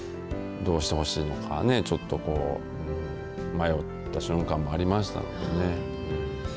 どうしてほしいのか迷った瞬間もありましたけどね。